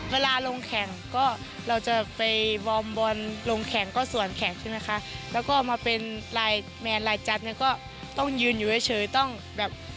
เวลาลงแข่งก็เราจะไปวอร์มบอลลงแข่งก็ส่วนแข่งใช่ไหมคะแล้วก็มาเป็นลายแมนลายจัดเนี่ยก็ต้องยืนอยู่เฉยต้องแบบ